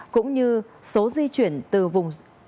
cũng như số di chuyển từ vùng có